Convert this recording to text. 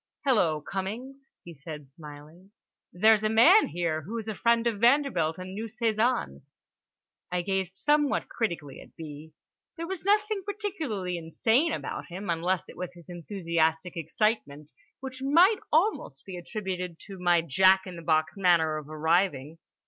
"Hello, Cummings," he said smiling. "There's a man here who is a friend of Vanderbilt and knew Cézanne." I gazed somewhat critically at B. There was nothing particularly insane about him, unless it was his enthusiastic excitement, which might almost be attributed to my jack in the box manner of arriving.